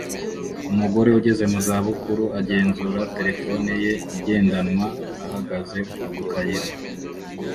Umugore ugeze mu za bukuru agenzura terefone ye igendanwa ahagaze ku kayira